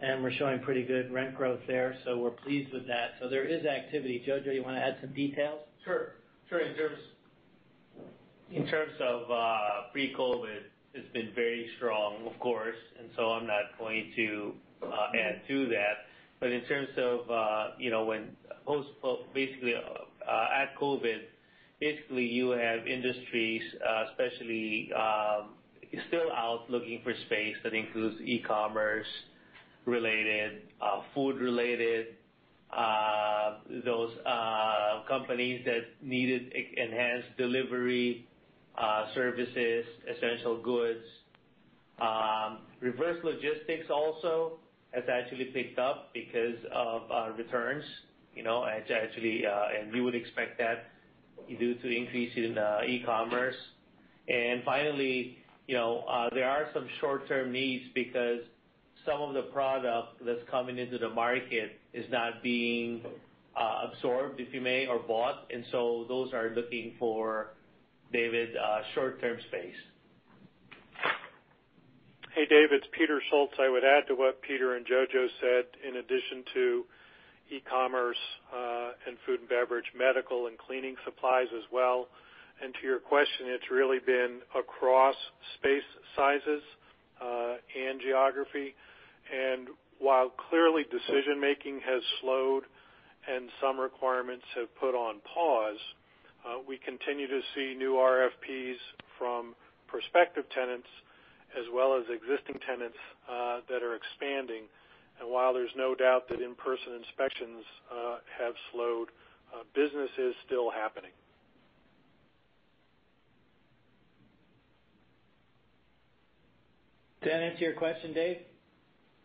and we're showing pretty good rent growth there. We're pleased with that. There is activity. Jojo, you want to add some details? Sure. In terms of pre-COVID, it's been very strong, of course, and so I'm not going to add to that. In terms of basically at COVID, basically you have industries, especially, still out looking for space. That includes e-commerce related, food related, those companies that needed enhanced delivery services, essential goods. Reverse logistics also has actually picked up because of returns, and you would expect that due to increase in e-commerce. Finally, there are some short-term needs because some of the product that's coming into the market is not being absorbed, if you may, or bought. Those are looking for short-term space. Hey, Dave, it's Peter Schultz. I would add to what Peter and Jojo said. In addition to e-commerce and food and beverage, medical and cleaning supplies as well. To your question, it's really been across space sizes and geography. While clearly decision making has slowed and some requirements have put on pause, we continue to see new RFPs from prospective tenants as well as existing tenants that are expanding. While there's no doubt that in-person inspections have slowed, business is still happening. Did that answer your question, Dave?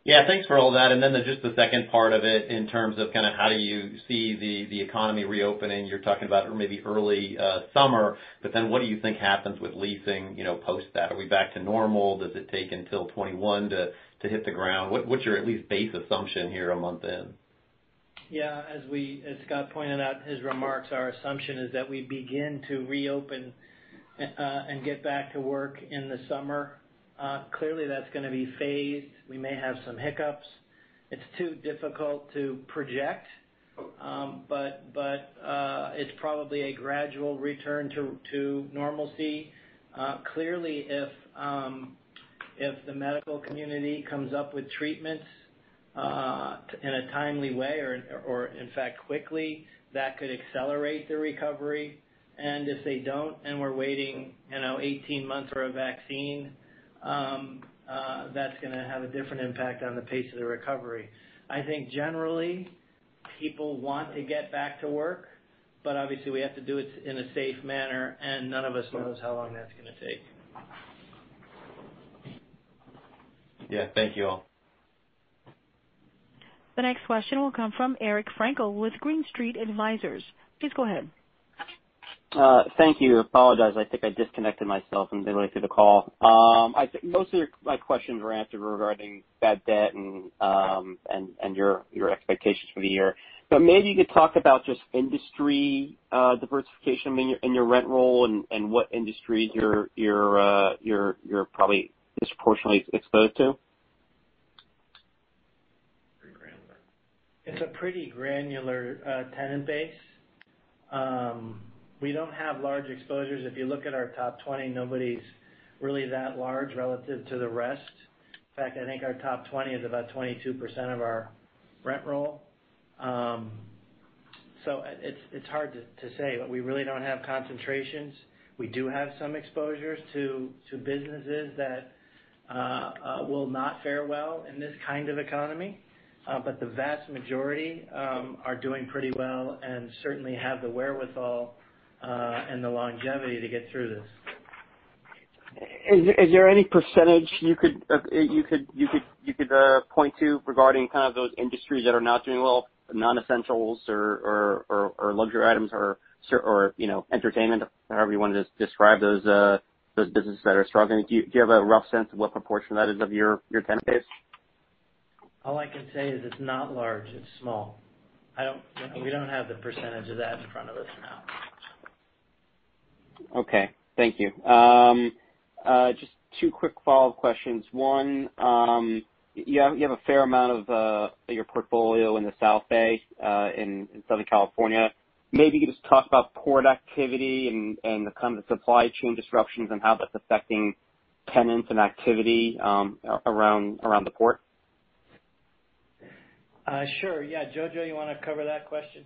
Yeah, thanks for all that. Just the second part of it in terms of kind of how do you see the economy reopening? You're talking about maybe early summer. What do you think happens with leasing, post that? Are we back to normal? Does it take until 2021 to hit the ground? What's your at least base assumption here a month in? Yeah, as Scott pointed out in his remarks, our assumption is that we begin to reopen and get back to work in the summer. That's going to be phased. We may have some hiccups. It's too difficult to project. It's probably a gradual return to normalcy. If the medical community comes up with treatments in a timely way or in fact, quickly, that could accelerate the recovery. If they don't, and we're waiting 18 months for a vaccine, that's going to have a different impact on the pace of the recovery. I think generally, people want to get back to work, but obviously we have to do it in a safe manner, and none of us knows how long that's going to take. Yeah. Thank you all. The next question will come from Eric Frankel with Green Street Advisors. Please go ahead. Thank you. Apologize, I think I disconnected myself in the middle of the call. Most of my questions were answered regarding bad debt and your expectations for the year. Maybe you could talk about just industry diversification in your rent roll and what industries you're probably disproportionately exposed to. It's a pretty granular tenant base. We don't have large exposures. If you look at our top 20, nobody's really that large relative to the rest. In fact, I think our top 20 is about 22% of our rent roll. It's hard to say, but we really don't have concentrations. We do have some exposures to businesses that will not fare well in this kind of economy. The vast majority are doing pretty well and certainly have the wherewithal and the longevity to get through this. Is there any percentage you could point to regarding kind of those industries that are not doing well, non-essentials or luxury items or entertainment, however you want to describe those businesses that are struggling? Do you have a rough sense of what proportion that is of your tenant base? All I can say is it's not large. It's small. We don't have the percentage of that in front of us now. Okay. Thank you. Just two quick follow-up questions. You have a fair amount of your portfolio in the South Bay in Southern California. Maybe you could just talk about port activity and the kind of supply chain disruptions and how that's affecting tenants and activity around the port? Sure. Yeah. Jojo, you want to cover that question?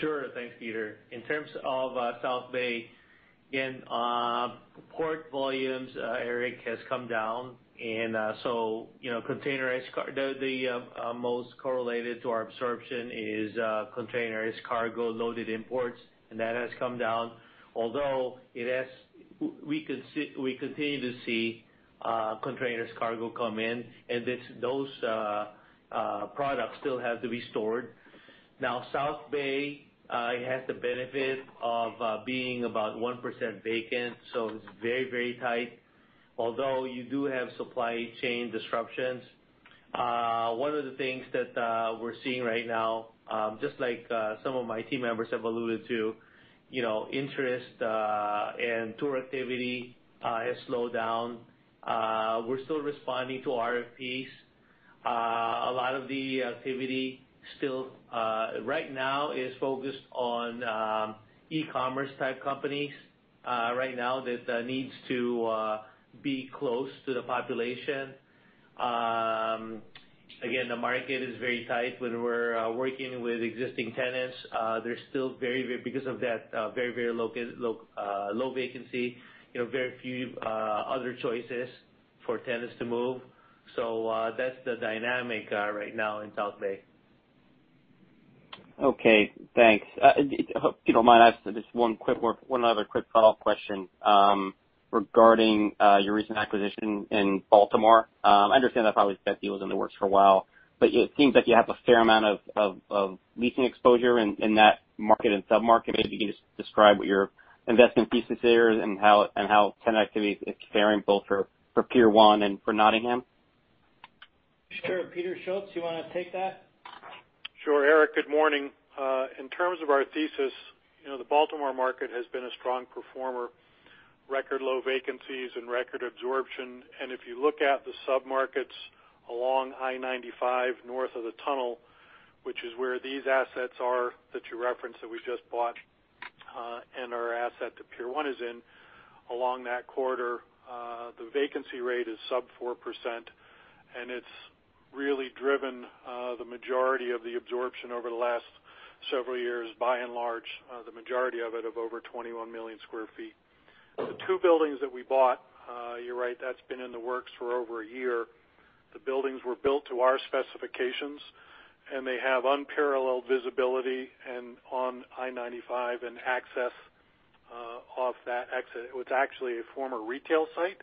Sure. Thanks, Peter. In terms of South Bay, again, port volumes, Eric, has come down. Containerized cargo, the most correlated to our absorption is containerized cargo, loaded imports, and that has come down. We continue to see containerized cargo come in, and those products still have to be stored. South Bay has the benefit of being about 1% vacant, so it's very tight. You do have supply chain disruptions. One of the things that we're seeing right now, just like some of my team members have alluded to, interest and tour activity has slowed down. We're still responding to RFPs. A lot of the activity right now is focused on e-commerce type companies right now that needs to be close to the population. The market is very tight. When we're working with existing tenants, because of that very low vacancy, very few other choices for tenants to move. That's the dynamic right now in South Bay. Okay. Thanks. I hope you don't mind, just one other quick follow-up question regarding your recent acquisition in Baltimore. I understand that probably that deal was in the works for a while, but it seems like you have a fair amount of leasing exposure in that market and sub-market. Maybe you can just describe what your investment thesis there is and how tenant activity is faring, both for Pier 1 and for Nottingham. Sure. Peter Schultz, you want to take that? Sure. Eric, good morning. In terms of our thesis, the Baltimore market has been a strong performer. Record low vacancies and record absorption. If you look at the sub-markets along I-95 north of the tunnel, which is where these assets are that you referenced that we just bought, and our asset to Pier 1 is in, along that corridor the vacancy rate is sub 4%, it's really driven the majority of the absorption over the last several years by and large, the majority of it of over 21 million square feet. The two buildings that we bought, you're right, that's been in the works for over a year. The buildings were built to our specifications, they have unparalleled visibility on I-95 and access off that exit. It was actually a former retail site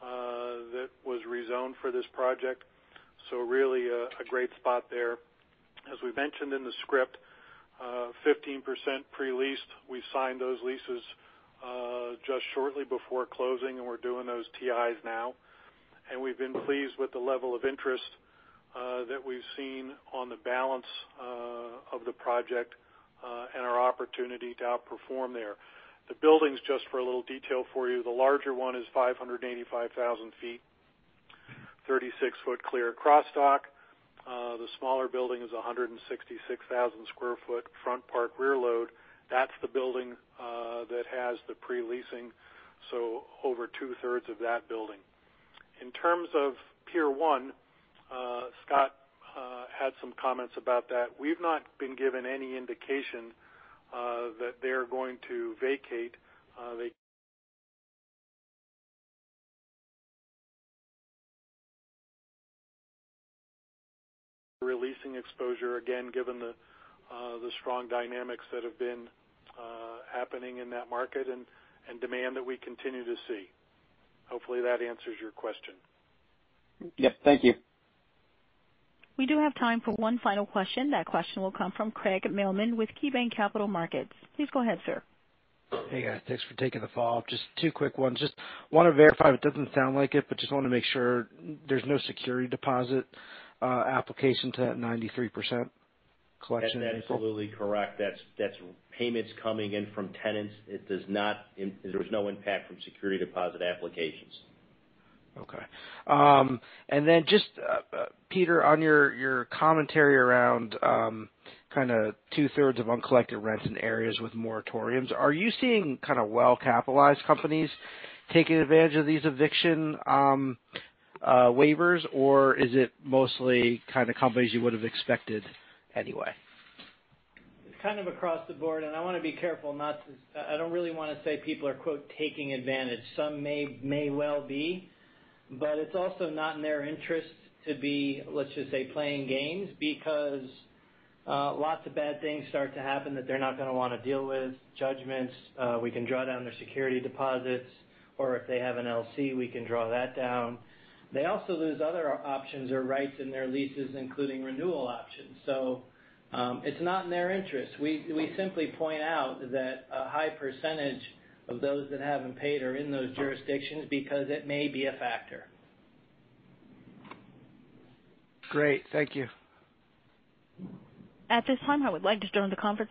that was rezoned for this project, really a great spot there. As we mentioned in the script, 15% pre-leased. We signed those leases just shortly before closing, and we're doing those TIs now. We've been pleased with the level of interest that we've seen on the balance of the project and our opportunity to outperform there. The buildings, just for a little detail for you, the larger one is 585,000 sq ft, 36-foot clear cross-dock. The smaller building is 166,000 sq ft front park, rear load. That's the building that has the pre-leasing, so over two-thirds of that building. In terms of Pier 1, Scott had some comments about that. We've not been given any indication that they're going to vacate. Re-leasing exposure, again, given the strong dynamics that have been happening in that market and demand that we continue to see. Hopefully, that answers your question. Yep. Thank you. We do have time for one final question. That question will come from Craig Mailman with KeyBanc Capital Markets. Please go ahead, sir. Hey, guys. Thanks for taking the call. Just two quick ones. Just want to verify, it doesn't sound like it, but just want to make sure there's no security deposit application to that 93% collection. That's absolutely correct. That's payments coming in from tenants. There was no impact from security deposit applications. Okay. Just, Peter, on your commentary around two-thirds of uncollected rents in areas with moratoriums, are you seeing well-capitalized companies taking advantage of these eviction waivers, or is it mostly companies you would've expected anyway? Kind of across the board, and I want to be careful. I don't really want to say people are, quote, taking advantage. Some may well be, but it's also not in their interest to be, let's just say, playing games because lots of bad things start to happen that they're not going to want to deal with. Judgments, we can draw down their security deposits, or if they have an LC, we can draw that down. They also lose other options or rights in their leases, including renewal options. It's not in their interest. We simply point out that a high percentage of those that haven't paid are in those jurisdictions because it may be a factor. Great. Thank you. At this time, I would like to turn the conference